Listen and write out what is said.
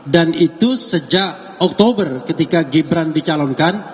dan itu sejak oktober ketika gibran dicalonkan